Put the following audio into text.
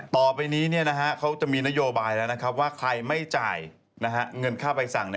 ต่อไปนี้เขาจะมีนโยบายแล้วนะครับว่าใครไม่จ่ายเงินค่าใบสั่ง